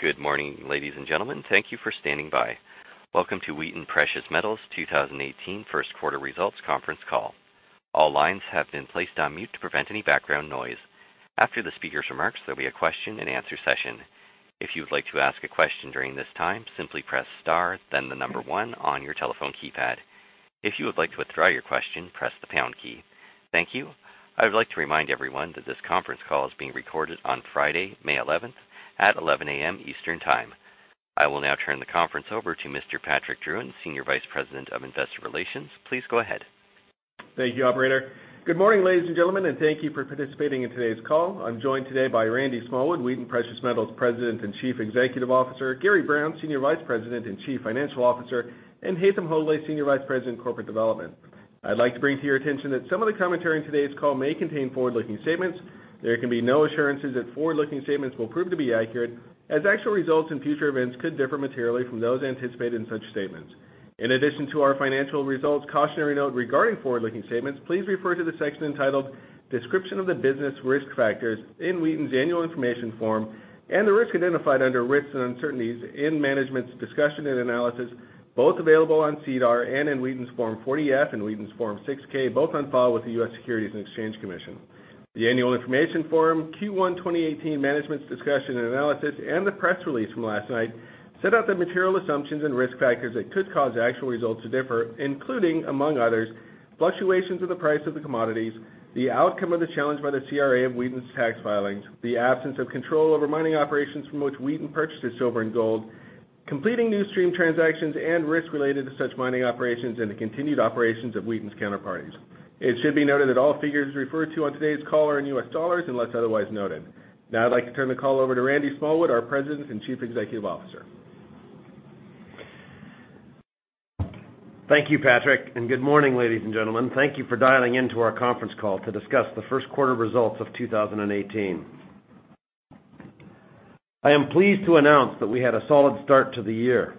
Good morning, ladies and gentlemen. Thank you for standing by. Welcome to Wheaton Precious Metals' 2018 first quarter results conference call. All lines have been placed on mute to prevent any background noise. After the speaker's remarks, there will be a question and answer session. If you would like to ask a question during this time, simply press star, then the number one on your telephone keypad. If you would like to withdraw your question, press the pound key. Thank you. I would like to remind everyone that this conference call is being recorded on Friday, May 11th at 11:00 A.M. Eastern Time. I will now turn the conference over to Mr. Patrick Drouin, Senior Vice President of Investor Relations. Please go ahead. Thank you, operator. Good morning, ladies and gentlemen. Thank you for participating in today's call. I am joined today by Randy Smallwood, Wheaton Precious Metals President and Chief Executive Officer, Gary Brown, Senior Vice President and Chief Financial Officer, and Haytham Hodaly, Senior Vice President, Corporate Development. I would like to bring to your attention that some of the commentary in today's call may contain forward-looking statements. There can be no assurances that forward-looking statements will prove to be accurate, as actual results and future events could differ materially from those anticipated in such statements. In addition to our financial results cautionary note regarding forward-looking statements, please refer to the section entitled Description of the Business Risk Factors in Wheaton's annual information form, and the risks identified under Risks and Uncertainties in Management's Discussion and Analysis, both available on SEDAR and in Wheaton's Form 40-F and Wheaton's Form 6-K, both on file with the U.S. Securities and Exchange Commission. The annual information form, Q1 2018 Management's Discussion and Analysis, and the press release from last night set out the material assumptions and risk factors that could cause actual results to differ, including, among others, fluctuations in the price of the commodities, the outcome of the challenge by the CRA of Wheaton's tax filings, the absence of control over mining operations from which Wheaton purchases silver and gold, completing new stream transactions and risks related to such mining operations, and the continued operations of Wheaton's counterparties. It should be noted that all figures referred to on today's call are in U.S. dollars unless otherwise noted. Now I would like to turn the call over to Randy Smallwood, our President and Chief Executive Officer. Thank you, Patrick, and good morning, ladies and gentlemen. Thank you for dialing in to our conference call to discuss the first quarter results of 2018. I am pleased to announce that we had a solid start to the year.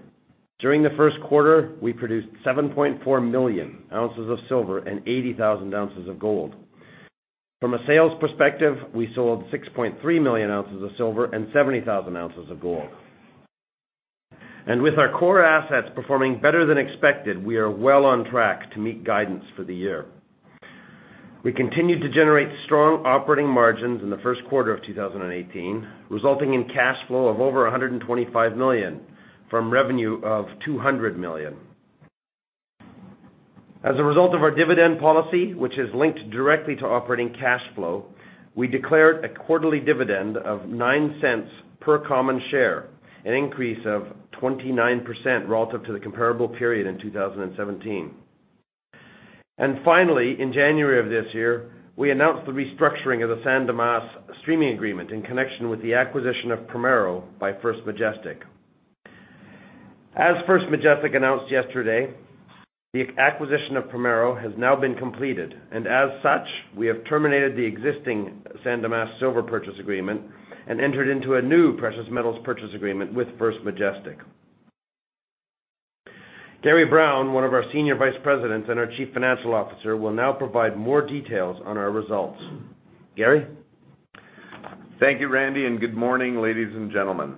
During the first quarter, we produced 7.4 million ounces of silver and 80,000 ounces of gold. From a sales perspective, we sold 6.3 million ounces of silver and 70,000 ounces of gold. With our core assets performing better than expected, we are well on track to meet guidance for the year. We continued to generate strong operating margins in the first quarter of 2018, resulting in cash flow of over $125 million, from revenue of $200 million. As a result of our dividend policy, which is linked directly to operating cash flow, we declared a quarterly dividend of $0.09 per common share, an increase of 29% relative to the comparable period in 2017. Finally, in January of this year, we announced the restructuring of the San Dimas streaming agreement in connection with the acquisition of Primero by First Majestic. As First Majestic announced yesterday, the acquisition of Primero has now been completed, and as such, we have terminated the existing San Dimas Silver Purchase Agreement and entered into a new precious metals purchase agreement with First Majestic. Gary Brown, one of our Senior Vice Presidents and our Chief Financial Officer, will now provide more details on our results. Gary? Thank you, Randy, and good morning, ladies and gentlemen.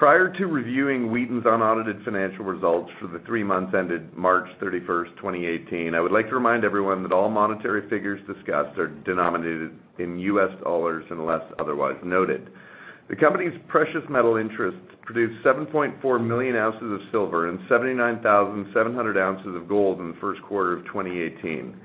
Prior to reviewing Wheaton's unaudited financial results for the three months ended March 31st, 2018, I would like to remind everyone that all monetary figures discussed are denominated in U.S. dollars unless otherwise noted. The company's precious metal interests produced 7.4 million ounces of silver and 79,700 ounces of gold in the first quarter of 2018.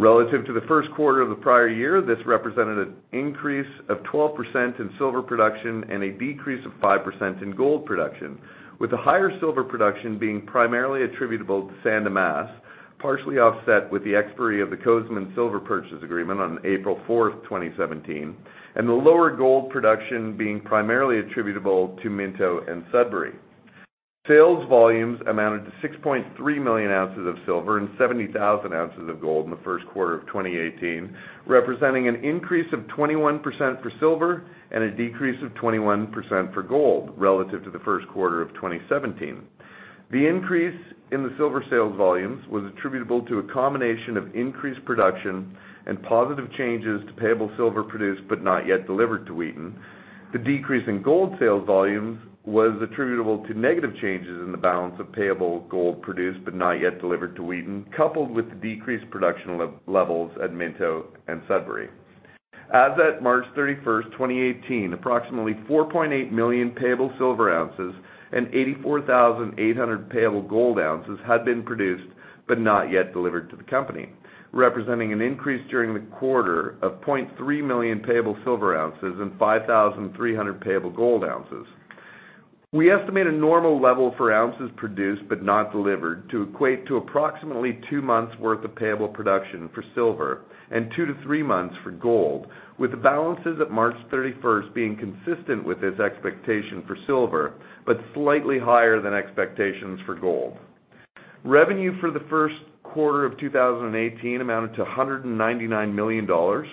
Relative to the first quarter of the prior year, this represented an increase of 12% in silver production and a decrease of 5% in gold production, with the higher silver production being primarily attributable to San Dimas, partially offset with the expiry of the Cozamin Silver Purchase Agreement on April 4th, 2017, and the lower gold production being primarily attributable to Minto and Sudbury. Sales volumes amounted to 6.3 million ounces of silver and 70,000 ounces of gold in the first quarter of 2018, representing an increase of 21% for silver and a decrease of 21% for gold relative to the first quarter of 2017. The increase in the silver sales volumes was attributable to a combination of increased production and positive changes to payable silver produced but not yet delivered to Wheaton. The decrease in gold sales volumes was attributable to negative changes in the balance of payable gold produced but not yet delivered to Wheaton, coupled with the decreased production levels at Minto and Sudbury. As at March 31st, 2018, approximately 4.8 million payable silver ounces and 84,800 payable gold ounces had been produced but not yet delivered to the company, representing an increase during the quarter of 0.3 million payable silver ounces and 5,300 payable gold ounces. We estimate a normal level for ounces produced but not delivered to equate to approximately two months' worth of payable production for silver and two to three months for gold, with the balances at March 31st being consistent with this expectation for silver, but slightly higher than expectations for gold. Revenue for the first quarter of 2018 amounted to $199 million,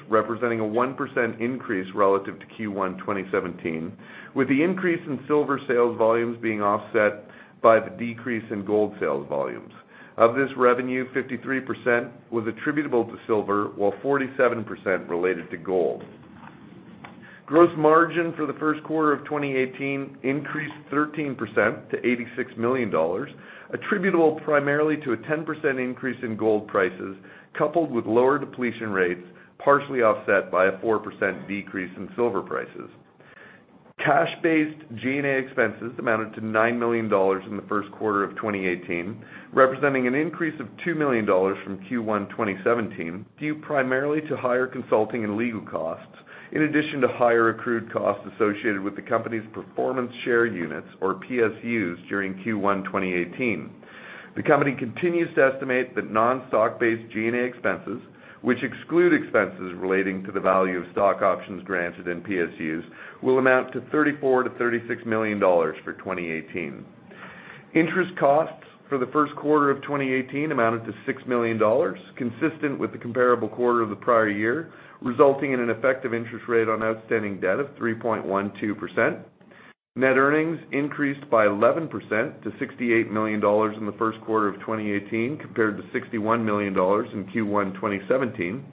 representing a 1% increase relative to Q1 2017. The increase in silver sales volumes being offset by the decrease in gold sales volumes. Of this revenue, 53% was attributable to silver, while 47% related to gold. Gross margin for the first quarter of 2018 increased 13% to $86 million, attributable primarily to a 10% increase in gold prices, coupled with lower depletion rates, partially offset by a 4% decrease in silver prices. Cash-based G&A expenses amounted to $9 million in the first quarter of 2018, representing an increase of $2 million from Q1 2017, due primarily to higher consulting and legal costs, in addition to higher accrued costs associated with the company's performance share units, or PSUs, during Q1 2018. The company continues to estimate that non-stock-based G&A expenses, which exclude expenses relating to the value of stock options granted in PSUs, will amount to $34 million-$36 million for 2018. Interest costs for the first quarter of 2018 amounted to $6 million, consistent with the comparable quarter of the prior year, resulting in an effective interest rate on outstanding debt of 3.12%. Net earnings increased by 11% to $68 million in the first quarter of 2018, compared to $61 million in Q1 2017.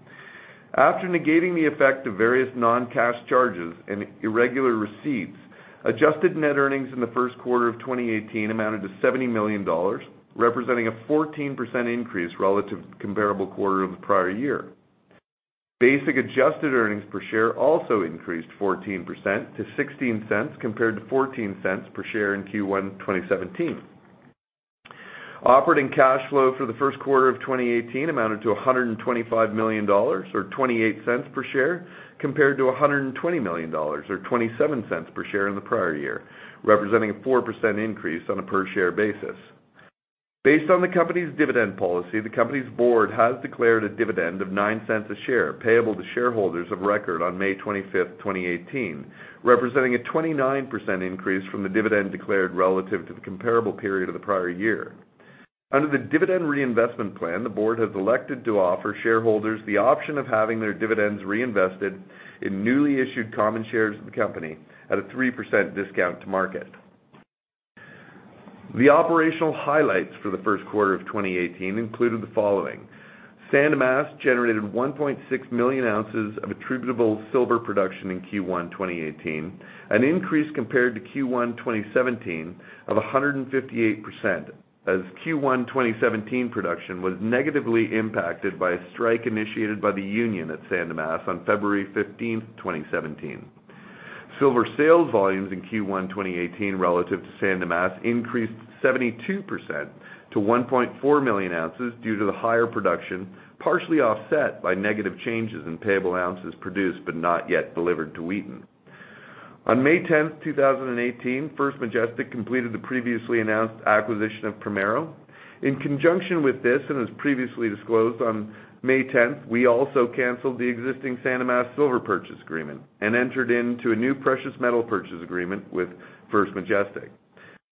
After negating the effect of various non-cash charges and irregular receipts, adjusted net earnings in the first quarter of 2018 amounted to $70 million, representing a 14% increase relative to the comparable quarter of the prior year. Basic adjusted earnings per share also increased 14% to $0.16 compared to $0.14 per share in Q1 2017. Operating cash flow for the first quarter of 2018 amounted to $125 million, or $0.28 per share, compared to $120 million or $0.27 per share in the prior year, representing a 4% increase on a per share basis. Based on the company's dividend policy, the company's board has declared a dividend of $0.09 a share payable to shareholders of record on May 25th, 2018, representing a 29% increase from the dividend declared relative to the comparable period of the prior year. Under the dividend reinvestment plan, the board has elected to offer shareholders the option of having their dividends reinvested in newly issued common shares of the company at a 3% discount to market. The operational highlights for the first quarter of 2018 included the following. San Dimas generated 1.6 million ounces of attributable silver production in Q1 2018, an increase compared to Q1 2017 of 158%, as Q1 2017 production was negatively impacted by a strike initiated by the union at San Dimas on February 15th, 2017. Silver sales volumes in Q1 2018 relative to San Dimas increased 72% to 1.4 million ounces due to the higher production, partially offset by negative changes in payable ounces produced but not yet delivered to Wheaton. On May 10th, 2018, First Majestic completed the previously announced acquisition of Primero. In conjunction with this, and as previously disclosed, on May 10th, we also canceled the existing San Dimas Silver Purchase Agreement and entered into a new precious metal purchase agreement with First Majestic.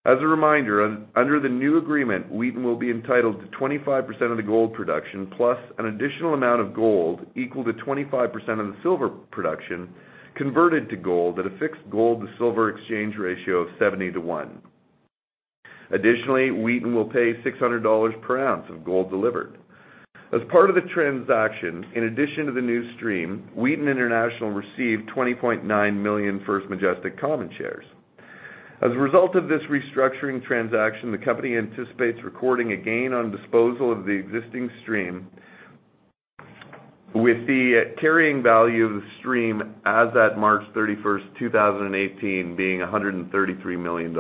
As a reminder, under the new agreement, Wheaton will be entitled to 25% of the gold production, plus an additional amount of gold equal to 25% of the silver production converted to gold at a fixed gold to silver exchange ratio of 70 to one. Additionally, Wheaton will pay $600 per ounce of gold delivered. As part of the transaction, in addition to the new stream, Wheaton International received 20.9 million First Majestic common shares. As a result of this restructuring transaction, the company anticipates recording a gain on disposal of the existing stream, with the carrying value of the stream as at March 31st, 2018 being $133 million.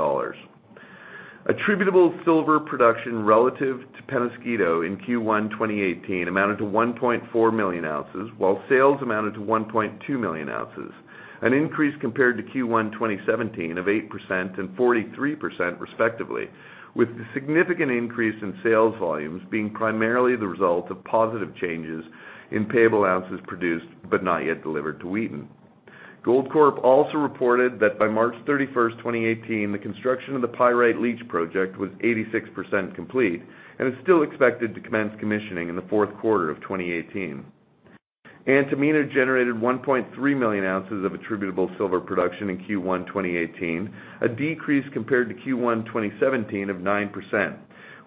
Attributable silver production relative to Peñasquito in Q1 2018 amounted to 1.4 million ounces, while sales amounted to 1.2 million ounces, an increase compared to Q1 2017 of 8% and 43% respectively, with the significant increase in sales volumes being primarily the result of positive changes in payable ounces produced but not yet delivered to Wheaton. Goldcorp also reported that by March 31st, 2018, the construction of the Pyrite Leach Project was 86% complete and is still expected to commence commissioning in the fourth quarter of 2018. Antamina generated 1.3 million ounces of attributable silver production in Q1 2018, a decrease compared to Q1 2017 of 9%,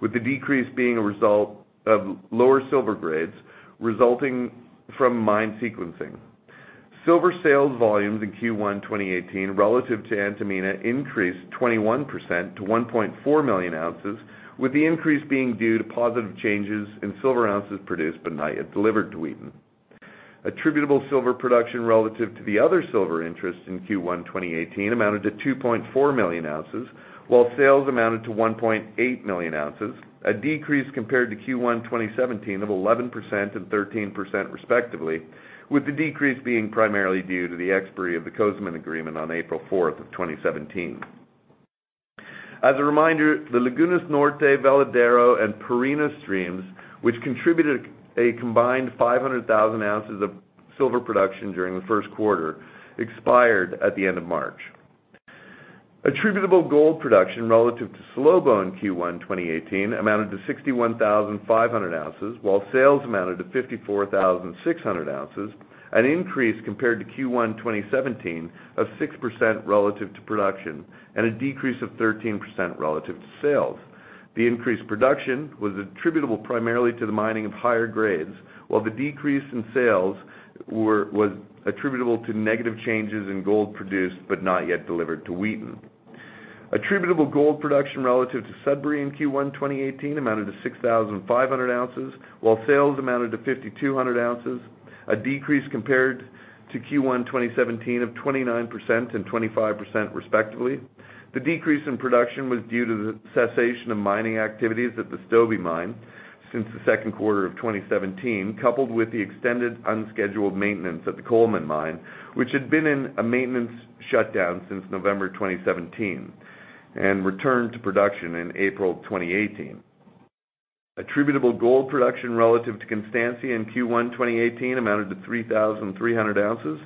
with the decrease being a result of lower silver grades resulting from mine sequencing. Silver sales volumes in Q1 2018 relative to Antamina increased 21% to 1.4 million ounces, with the increase being due to positive changes in silver ounces produced but not yet delivered to Wheaton. Attributable silver production relative to the other silver interests in Q1 2018 amounted to 2.4 million ounces, while sales amounted to 1.8 million ounces, a decrease compared to Q1 2017 of 11% and 13% respectively, with the decrease being primarily due to the expiry of the Cozamin agreement on April 4th of 2017. As a reminder, the Lagunas Norte, Veladero, and Pierina streams, which contributed a combined 500,000 ounces of silver production during the first quarter, expired at the end of March. Attributable gold production relative to Salobo in Q1 2018 amounted to 61,500 ounces, while sales amounted to 54,600 ounces, an increase compared to Q1 2017 of 6% relative to production and a decrease of 13% relative to sales. The increased production was attributable primarily to the mining of higher grades, while the decrease in sales was attributable to negative changes in gold produced but not yet delivered to Wheaton. Attributable gold production relative to Sudbury in Q1 2018 amounted to 6,500 ounces, while sales amounted to 5,200 ounces, a decrease compared to Q1 2017 of 29% and 25% respectively. The decrease in production was due to the cessation of mining activities at the Stobie Mine since the second quarter of 2017, coupled with the extended unscheduled maintenance at the Coleman Mine, which had been in a maintenance shutdown since November 2017 and returned to production in April 2018. Attributable gold production relative to Constancia in Q1 2018 amounted to 3,300 ounces,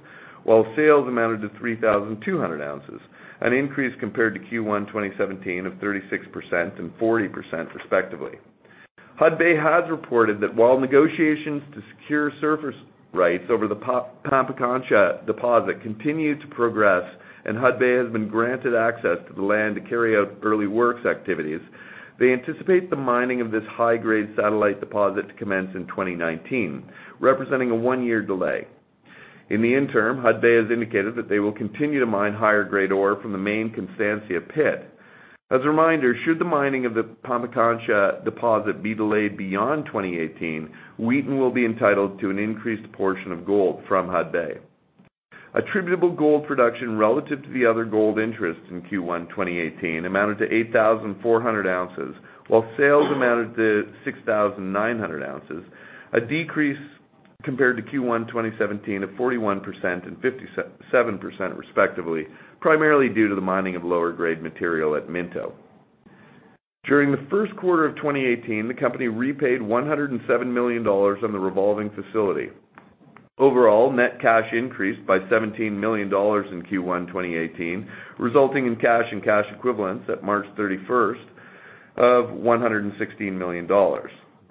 while sales amounted to 3,200 ounces, an increase compared to Q1 2017 of 36% and 40% respectively. Hudbay has reported that while negotiations to secure surface rights over the Pampacancha deposit continue to progress and Hudbay has been granted access to the land to carry out early works activities, they anticipate the mining of this high-grade satellite deposit to commence in 2019, representing a one-year delay. In the interim, Hudbay has indicated that they will continue to mine higher-grade ore from the main Constancia pit. As a reminder, should the mining of the Pampacancha deposit be delayed beyond 2018, Wheaton will be entitled to an increased portion of gold from Hudbay. Attributable gold production relative to the other gold interests in Q1 2018 amounted to 8,400 ounces, while sales amounted to 6,900 ounces, a decrease compared to Q1 2017 of 41% and 57% respectively, primarily due to the mining of lower-grade material at Minto. During the first quarter of 2018, the company repaid $107 million on the revolving facility. Overall, net cash increased by $17 million in Q1 2018, resulting in cash and cash equivalents at March 31st of $116 million.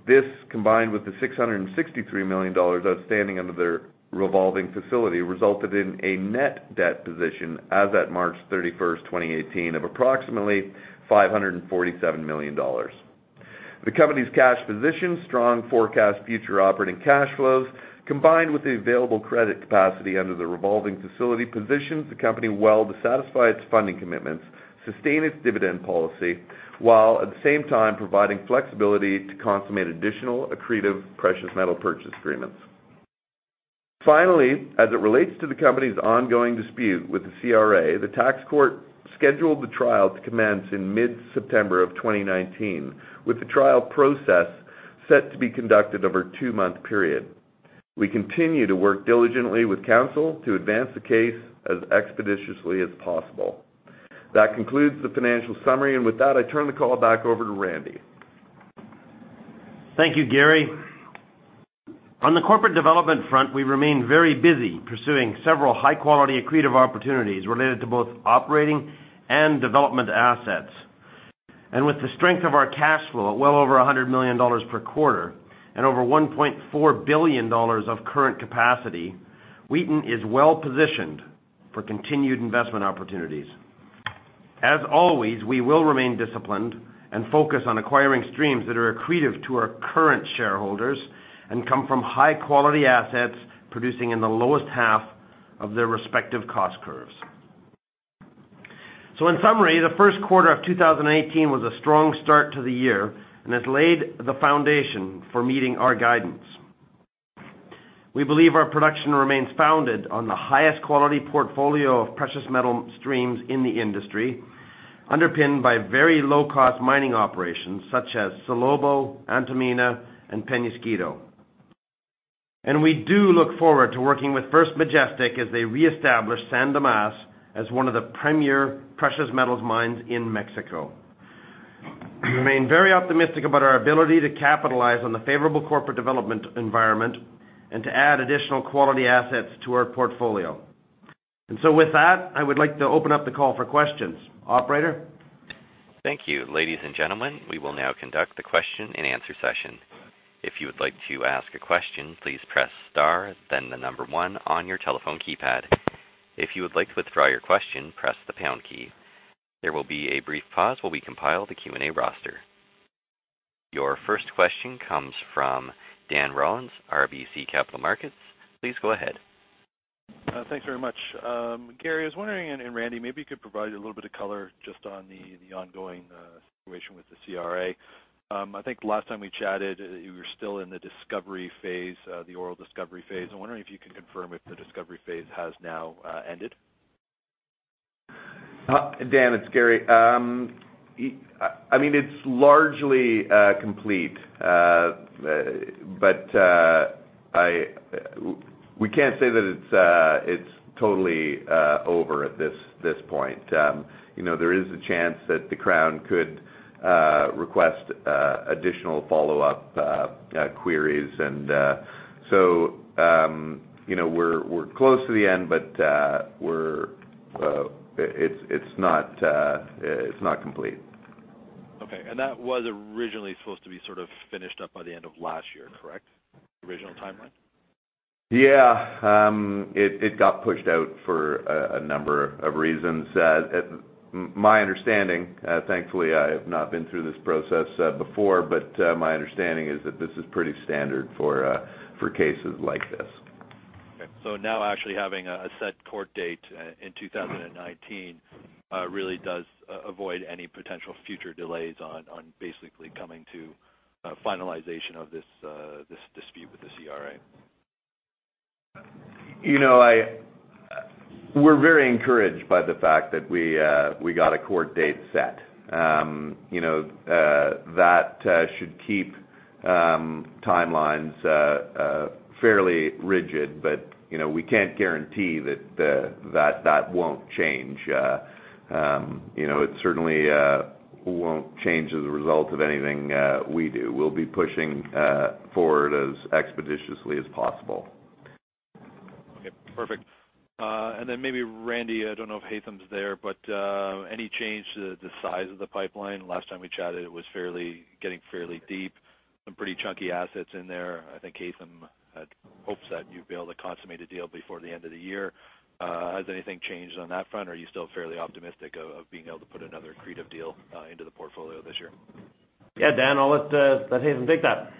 This, combined with the $663 million outstanding under their revolving facility, resulted in a net debt position as at March 31st, 2018 of approximately $547 million. The company's cash position, strong forecast future operating cash flows, combined with the available credit capacity under the revolving facility, positions the company well to satisfy its funding commitments, sustain its dividend policy, while at the same time providing flexibility to consummate additional accretive precious metal purchase agreements. Finally, as it relates to the company's ongoing dispute with the CRA, the tax court scheduled the trial to commence in mid-September of 2019, with the trial process set to be conducted over a two-month period. We continue to work diligently with counsel to advance the case as expeditiously as possible. That concludes the financial summary. With that, I turn the call back over to Randy. Thank you, Gary. On the corporate development front, we remain very busy pursuing several high-quality accretive opportunities related to both operating and development assets. With the strength of our cash flow, well over $100 million per quarter and over $1.4 billion of current capacity, Wheaton is well-positioned for continued investment opportunities. As always, we will remain disciplined and focused on acquiring streams that are accretive to our current shareholders and come from high-quality assets producing in the lowest half of their respective cost curves. In summary, the first quarter of 2018 was a strong start to the year and has laid the foundation for meeting our guidance. We believe our production remains founded on the highest quality portfolio of precious metal streams in the industry, underpinned by very low-cost mining operations such as Salobo, Antamina, and Peñasquito. We do look forward to working with First Majestic as they reestablish San Dimas as one of the premier precious metals mines in Mexico. We remain very optimistic about our ability to capitalize on the favorable corporate development environment and to add additional quality assets to our portfolio. With that, I would like to open up the call for questions. Operator? Thank you. Ladies and gentlemen, we will now conduct the question-and-answer session. If you would like to ask a question, please press star then the number one on your telephone keypad. If you would like to withdraw your question, press the pound key. There will be a brief pause while we compile the Q&A roster. Your first question comes from Dan Rollins, RBC Capital Markets. Please go ahead. Thanks very much. Gary, I was wondering, and Randy, maybe you could provide a little bit of color just on the ongoing situation with the CRA. I think last time we chatted, you were still in the oral discovery phase. I'm wondering if you can confirm if the discovery phase has now ended. Dan, it's Gary. It's largely complete, but we can't say that it's totally over at this point. There is a chance that the Crown could request additional follow-up queries. We're close to the end, but it's not complete. Okay, that was originally supposed to be finished up by the end of last year, correct? The original timeline? Yeah. It got pushed out for a number of reasons. My understanding, thankfully, I have not been through this process before, my understanding is that this is pretty standard for cases like this. Okay. Now actually having a set court date in 2019 really does avoid any potential future delays on basically coming to finalization of this dispute with the CRA. We're very encouraged by the fact that we got a court date set. That should keep timelines fairly rigid, we can't guarantee that that won't change. It certainly won't change as a result of anything we do. We'll be pushing forward as expeditiously as possible. Okay, perfect. Maybe Randy, I don't know if Haytham's there, but any change to the size of the pipeline? Last time we chatted, it was getting fairly deep. Some pretty chunky assets in there. I think Haytham had hopes that you'd be able to consummate a deal before the end of the year. Has anything changed on that front? Are you still fairly optimistic of being able to put another accretive deal into the portfolio this year? Yeah, Dan, I'll let Haytham take that.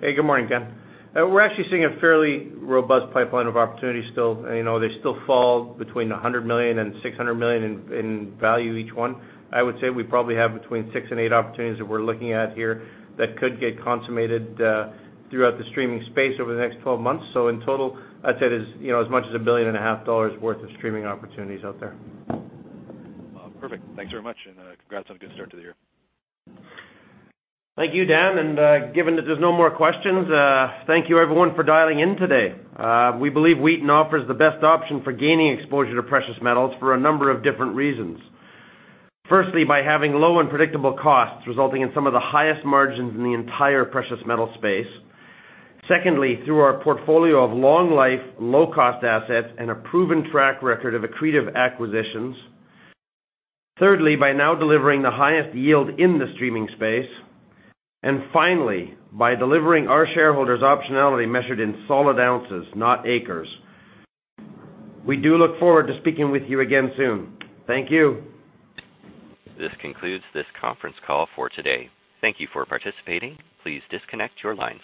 Hey, good morning, Dan. We're actually seeing a fairly robust pipeline of opportunities still. They still fall between $100 million and $600 million in value each one. I would say we probably have between six and eight opportunities that we're looking at here that could get consummated throughout the streaming space over the next 12 months. In total, I'd say there's as much as a billion and a half dollars worth of streaming opportunities out there. Perfect. Thanks very much, congrats on a good start to the year. Thank you, Dan, given that there's no more questions, thank you everyone for dialing in today. We believe Wheaton offers the best option for gaining exposure to precious metals for a number of different reasons. Firstly, by having low unpredictable costs resulting in some of the highest margins in the entire precious metal space. Secondly, through our portfolio of long life, low cost assets, and a proven track record of accretive acquisitions. Thirdly, by now delivering the highest yield in the streaming space. Finally, by delivering our shareholders optionality measured in solid ounces, not acres. We do look forward to speaking with you again soon. Thank you. This concludes this conference call for today. Thank you for participating. Please disconnect your lines.